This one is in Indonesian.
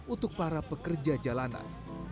untuk para pekerja jalanan